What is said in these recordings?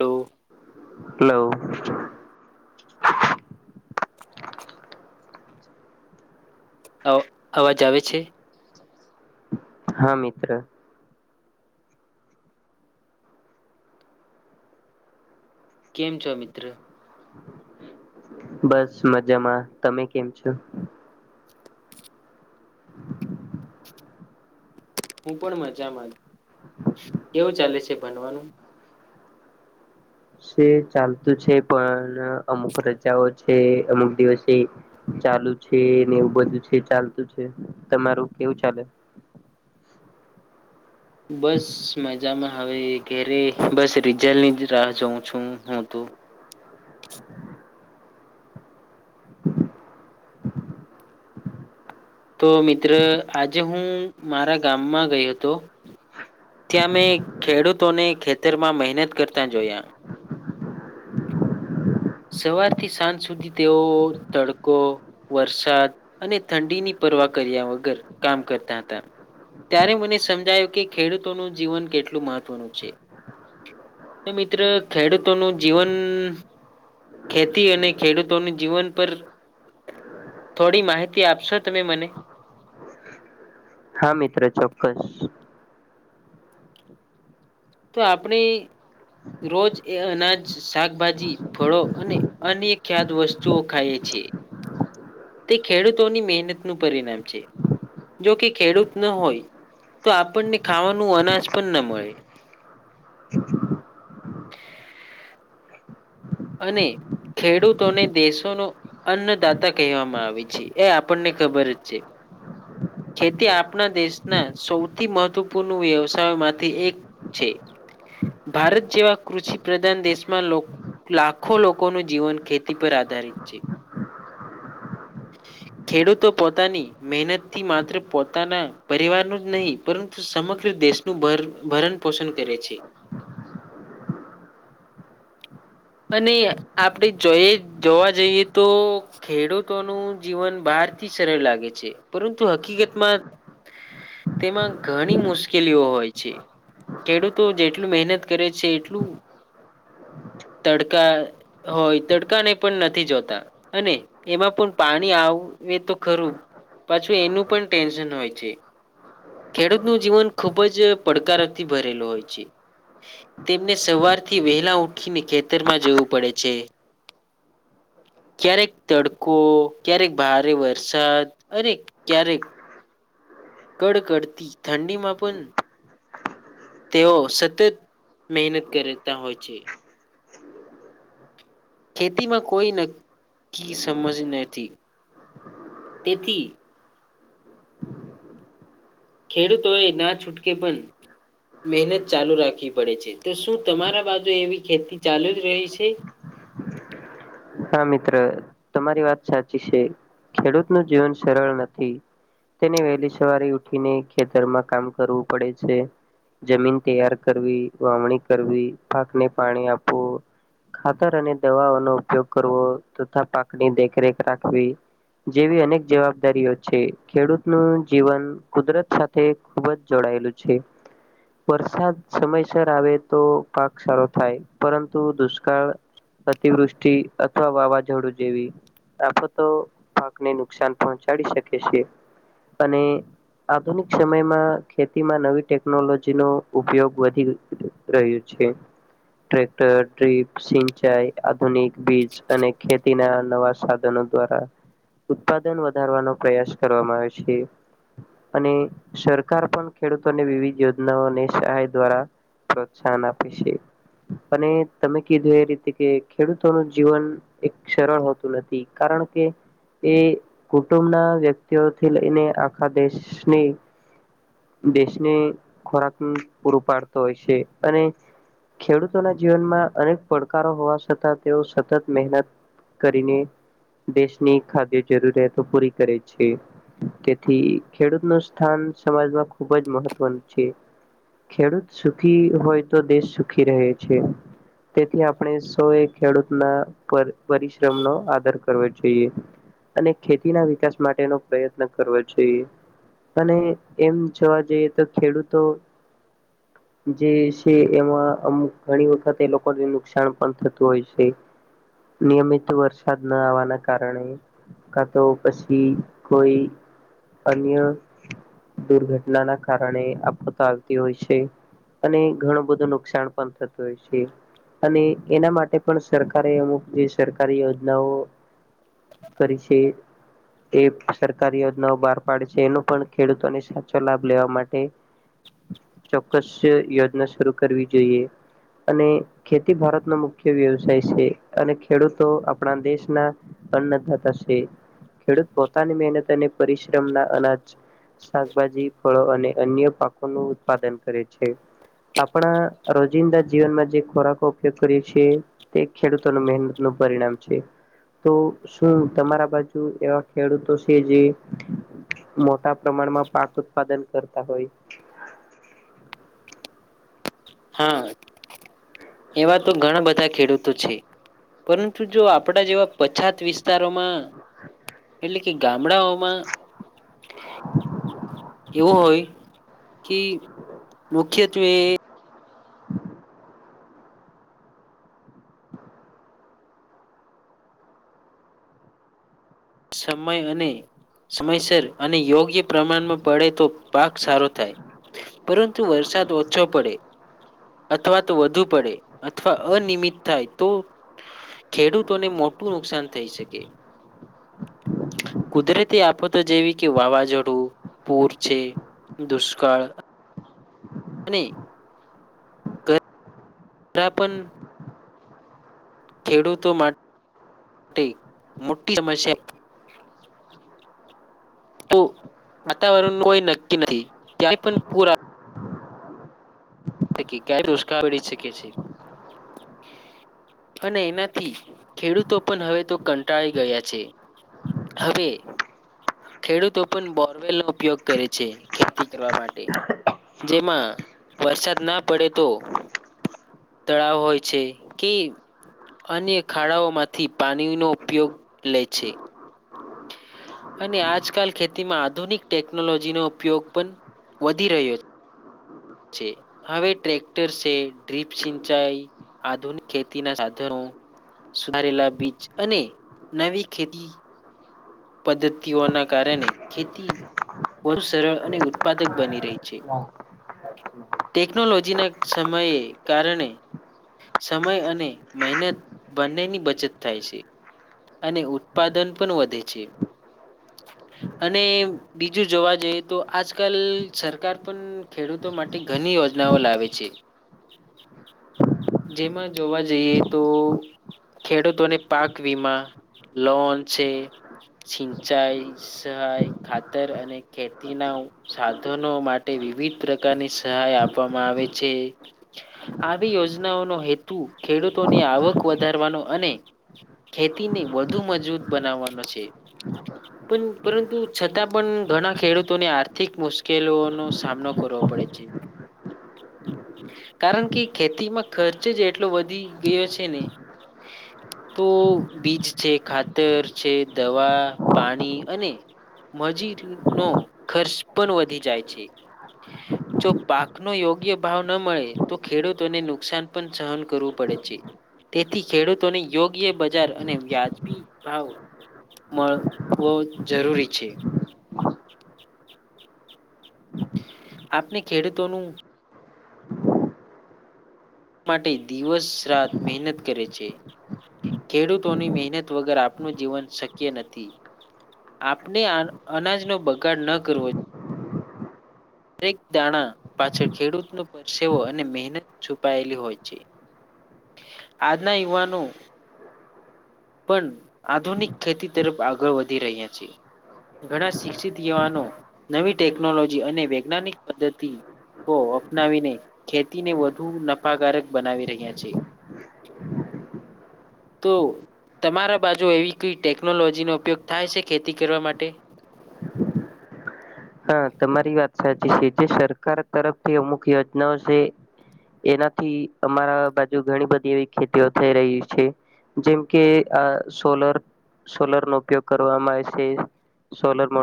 તો હલો. અ અવાજ આવે છે. હા મિત્ર. કેમ છો મિત્ર? બસ મજામાં તમે કેમ છો? હું પણ મજામાં જ કેવું ચાલે છે ભણવાનું? છે ચાલતું છે પણ અમુક રજાઓ છે અમુક દિવસે ચાલુ છેને એવું બધું છે ચાલતું છે. તમારું કેવું ચાલે? બસ મજામાં હવે એક ઘરે બસ રીઝલટ ની જ રાહ જોઉં છું હું તો તો મિત્ર આજે હું મારા ગામમાં ગયો હતો ત્યાં મેં ખેડૂતોને ખેતરમાં મહેનત કરતા જોયા. સવારથી સાંજ સુધી તેઓ તડકો, વરસાદ અને ઠંડીની પરવા કર્યા વગર કામ કરતા હતા. ત્યારે મને સમજાયું કે ખેડૂતોનું જીવન કેટલું મહત્વનું છે. તો મિત્ર ખેડૂતોનું જીવન ખેતી અને ખેડૂતોનું જીવન પર થોડી માહિતી આપશો તમે મને હા મિત્ર ચોક્કસ. તો આપણી રોજ એ અનાજ, શાકભાજી, ફળો અને અન્ય ખ્યાદ વસ્તુઓ ખાયે છે. છે. તે ખેડૂતોની મહેનતનું પરિણામ છે. જોકે ખેડૂત ન હોય તો આપણને ખાવાનું અનાજ પણ ન મળે. [inaudible] અને ખેડૂતોને દેશો નો અન્નદાતા કહેવામાં આવે છે. એ આપણને ખબર જ છે. ખેતી આપણા દેશના સૌથી મહત્વપૂર્ણ વ્યવસાયમાંથી એક છે ભારત જેવા કૃષિ પ્રધાન દેશમાં લોકો લાખો લોકોનું જીવન ખેતી પર આધારિત છે. ખેડૂતો પોતાની મહેનત થી માત્ર પોતાના પરિવાર નુ જ નહીં પરંતુ સમગ્ર દેશનું ભર ભરણ પોષણ કરે છે. [inaudible] અને આપણે જોઈ જોવા જઈએ તો ખેડૂતોનું જીવન બાર બાર થી સરળ લાગે છે પરંતુ હકીકતમાં તેમાં ઘણી મુશ્કેલીઓ હોય છે. ખેડૂતો જેટલું મહેનત કરે છે એટલું [inaudible] તડકા હોય તડકાને પણ નથી જોતા અને એમાં પણ પાણી આવ આવે એ તો ખરું પાછું એનું પણ ટેન્શન હોય છે. ખેડૂતનું જીવન ખુબજ પડકારથી, ભરેલું હોય, છે. તેમને સવારથી, વહેલા ઊઠીને ખેતરમાં જવું પડે છે. બ ક્યારેક, તડકો ક્યારેક, ભારે વરસાદ અને ક્યારેક કડકડતી ઠંડીમા પણ તેઓ સતત મહેનત કરતા, હોય છે. ખેતીમાં કોઈ, નક્કી સમજ નથી તેથી ખેડૂતો એ ના છૂટકે, પણ મહેનત ચાલુ રાખવી પડે છે, તો શું તમારા બાજુ એવી ખેતી ચાલુ જ રહી છે. હ હા, મિત્ર તમારી વાત સાચી છે, ખેડૂત નું જીવન સરળ નથી તેને વહેલી સવારે ઉઠીને, ખેતરમાં કામ કરવું પડે છે. જમીન તૈયાર કરવી વાવણી કરવી પાકને પાણી, આપવું ખાતર, અને દવાઓનો ઉપયોગ કરવો તથા. પાકની દેખરેખ રાખવી જેવી અનેક જવાબદારીઓ છે, ખેડૂત નું જીવન કુદરત સાથે ખુબ જ જોડા લઈઓ, છે. વરસાદ સમયસર આવે, તો પાક સારો થાય, પરંતુ દુષ્કાળ અતિવૃષ્ટિ અથવા વાવાઝોડું, જેવી આ, તો પાકને નુકસાન પહોંચાડી શકે છે, અને આધુનિક સમયમાં ખેતીમાં નવી, ટેકનોલોજીનો ઉપયોગ વધી રહ્યો છે. ટ્રક્ટર ડ્રીપ સિંચાઈ, આધુનિક બીજ અને ખેતીના નવા સાધનો, દ્વારા ઉત્પાદન વધારવાનો પ્રયાસ કરવામાં આવે છે. અને સરકાર પણ ખેડૂતોને વિવિધ યોજનાઓ અને સહાય, દ્વારા પ્રોત્સાહન આપે છે, અને તમે કીધું એ રીતે કે ખેડૂતોનું જીવન એક સરળ હોતું, નથી, કારણ કે એ કુટુંબના વ્યક્તિઓથી, લઈને આખા દેશની દેશને ખોરાક પૂરું પાડતો હોય છે, અને ખેડૂતોના જીવનમાં અનેક પડકારો હોવા, છતાં, તેઓ સતત મહેનત કરીને દેશની, ખાદ્ય જરૂરિયાતો પૂરી કરે છે, તેથી ખેડૂતનુ સ્થાન સમાજમાં ખૂબજ મહત્વનું છે. ખેડૂત સુખી હોય, તો દેશ સુખી રહે છે. તેથી આપણે સો એક ખેડૂત ના પર પરિશ્રમ, નો આધાર કરવો જોઈએ અને ખેતીના વિકાસ માટેનો પ્રયત્ન કરવો, જોઈએ અને એમ જોવા જઈએ, તો ખેડૂતો જે છે, એમાં અમુક ઘણી વખત, એ લોકોને નુકસાન પણ થતું હોય, છે. નિયમિત વરસાદ ન આવવાના, કારણે કા, તો પછી કોઈ. અન્ય દુર્ઘટનાના કારણે આફત આવતી હોય, છે. અને ઘણું બધું નુકસાન પણ થતું હોય, છે. અને એના માટે પણ સરકારે અમુક જે સરકારી યોજનાઓ, કરી છે. તે સરકારી યોજનાઓ બહાર પાડે છે, એનો પણ ખેડૂતોને સાચો લાભ લેવા માટે ચોક્કસ, યોજના શરૂ કરવી જોઈએ અને ખેતી ભારતનો, મુખ્ય વ્યવસાય છે, અને ખેડૂતો આપણા દેશના અન્નદાતા છે. ખેડૂત પોતાની મહેનત, અને પરિશ્રમના અનાજ શાકભાજી, ફળો અને અન્ય પાકોનું ઉત્પાદન કરે છે. આપણા રોજિંદા જીવનમાં જે ખોરાકો ઉપયોગ કરીએ છે. તે ખેડૂતોનું મહેનત નું પરિણામ છે. તો શું તમારા બાજુ એવા ખેડૂતો છે જે મોટા પ્રમાણમાં પાક ઉત્પાદન કરતા હોય. હા, એવા તો ઘણા બધા ખેડૂતો છે. પરંતુ જો આપડા જેવા પછાત વિસ્તારોમાં એટલે કે ગામડાઓમાં એવુ હોય કે મુખ્યત્વે સમય અને સમયસર અને યોગ્ય પ્રમાણમાં પડે તો પાક સારો થાય. પરંતુ વરસાદ ઓછો પડે અથવા તો વધુ પડે અથવા અનિયમિત થાય તો ખેડૂતોને મોટું નુકસાન થઈ શકે. [inaudible] કુદરતી આફતો જેવી કે વાવાઝોડું, પૂર છે દુષ્કાળ. અને ગરમી ત્યાં પણ ખેડૂતો માટે મોટી સમસ્યાં તો વાતાવરણ કોઈ નક્કી નથી ત્યાં પણ પુર દુષ્કાાવર પડી શખે છે. અને એનાથી ખેડૂતો પણ હવે તો કંટાળી ગયા છે. હવે ખેડૂતો પણ બોરવેલ નો ઉપયોગ કરે છે ખેતી કરવા માટે. જેમાં વરસાદ ના પડે તો તળાવ હોય છે કે અન્ય ખાડાઓમાંથી પાણીનો ઉપયોગ લે છે. [inaudible] અને આજકાલ ખેતીમાં આધુનિક ટેકનોલોજીનો ઉપયોગ પણ વધી રહ્યો છે. છે. હવે ટ્રેક્ટર છે, ડ્રીપ સિંચાઈ, આધુનિક ખેતીના સાધનો. સુધારેલા બીજ અને નવી ખેતી પદ્ધતિઓના કારણે ખેતી બહુ સરળ અને ઉત્પાદક બની રહી છે. ટેકનોલોજીના સમયે કારણે સમય અને મહેનત બંનેની બચત થાય છે. અને ઉત્પાદન પણ વધે છે. [inaudible] અને બીજું જોવા જઈએ તો આજકલ સરકાર પણ ખેડૂતો માટે ઘ ઘની યોજનાઓ લાવે છે. [inaudible] જેમાં જોવા જઈએ તો ખેડૂતોને પાક વીમા, લોન છે. સિંચાઈ સહાય ખાતર અને ખેતીના સાધનો ઉ માટે વિ વિધ પ્રકારની સહાય આપવામાં આવે છે, આવી યોજનાઓનો હેતુ ખે ડૂતોની આવક વધારવાનો અને ખેતીને વધુ મજબૂત બનાવવાનો છે. [inaudible] પણ પરંતુ છતાં પણ ઘણા ખેડૂતોને આર્થિક મુશ્કેલોનો સામનો કરવો પડે છે. [inaudible] કારણ કે ખેતીમાં ખર્ચ જ એટલો વધી ગયો છે ને તો બીજ છે ખાતર છે દવા, પાણી અને મજીરીનો ખર્ચ પણ વધી જાય છે. જો પાકનો યોગ્ય ભાવ ન મળે તો ખેડૂતોને નુકસાન પણ સહન કરવું પડે છે. તેથી ખેડૂતોને યોગ્ય બજાર અને વ્યાજબી ભાવ મળવો જરૂરી છે. આપણે ખેડૂતોનું માટે દિવસ રાત મહેનત કરે છે. ખેડૂતોની મહેનત વગર આપનું જીવન શક્ય નથી. આપણે આ અનાજનો બગાડ ન કરવો દરેક દાણા પાછળ ખેડૂતનો પરસેવો અને મહેનત છુપાયેલી હોય છે. [inaudible] આજના યુવાનો પણ આધુનિક ખેતી તરફ આગળ વધી રહ્યા છે. ઘણા શિક્ષિત યુવાનો નવી ટેકનોલોજી અને વૈજ્ઞાનિક પદ્ધતિ ઓ અપનાવીને ખેતીને વધુ નફાકારક બનાવી રહ્યા છે. [inaudible] તો તમારા બાજુ એવી કઈ ટેકનોલોજીનો ઉપયોગ થાય છે ખેતી કરવા માટે? હા તમારી વાત સાચી છે. જે સરકાર તરફથી અમુક યોજનાઓ છે એનાથી અમારા બાજુ ઘણી બધી એવી ખેતીઓ થઈ રહી છે. જેમ કે આ સોલર સોલર નો ઉપયોગ કરવામાં આવે છે. સોલર મો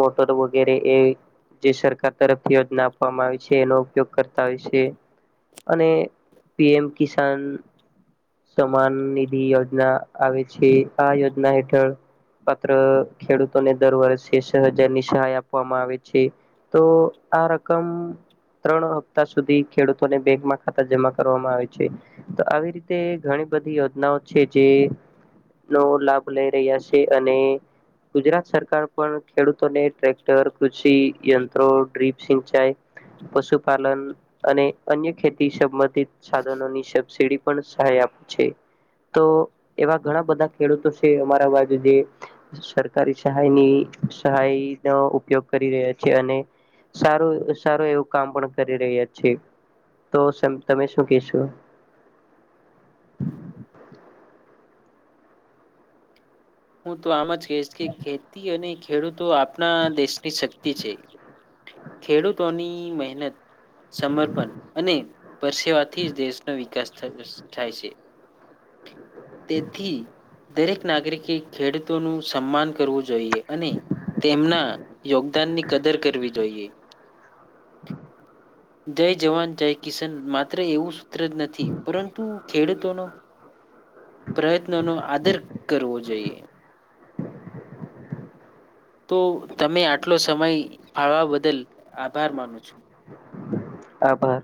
મોટર વો ગેરે એ જે સરકાર તરફથી યોજના આપવામાં આવી છે એનો ઉપયોગ કરતા હોય છે. અને પી એમ કિસાન સમાન નિધિ યોજના આવે છે, આ યોજના હેઠળ પાત્ર ખેડૂતોને દર વર્ષે સ હજાર ની સહાય આપ પવામાં આવે છે. તો આ રકમ ત્રણ હપ્તા સુધી ખેડૂતોને બેંકમાં ખાતા જમા કરવામાં આવે છે. તો આવી રીતે ઘણી બધી યોજનાઓ છે જે નો લાભ લઈ રહ્યા છે અને ગુજરાત સરકાર પણ ખેડૂતોને ટ્રેક ટર, કૃષિ, યંત્રો, ડ્રીપ સિંચાઈ પશુપાલન અને અન્ય ખેતી સંબંધિત સાધનોની સબસીડી પણ સહાય આ આપ છે તો એવા ઘણાં બધા ખેડૂતો છે અમારા બાજુ જે સરકારી સહાયની સહાય. નો ઉપયોગ કરી રહ્યા છે અને સારું સારું એવું કામ પણ કરી રહ્યા છે. તો તમે શું કહેશો? હું તો આમ જ કહીશ કે ખેતી અને ખેડૂતો આપણા દેશની શક્તિ છે. ખેડૂતોની મહેનત સમર્પણ અને પરસેવાથી જ દેશનો વિકાસ થાય છે. તેથી દરેક નાગરિકે ખેડૂતોનું સન્માન કરવું જોઇએ અને તેમના યોગદાનની કદર કરવી જોઈએ. જય જવાન જય કિશાન માત્ર એવું સૂત્ર જ નથી પરંતુ ખેડૂતોનું પ્રયત્નોનો આદર કરવો જોઈએ. તો તમે આટલો સમય ફાળવા બદલ આભાર માનું છું. આભાર.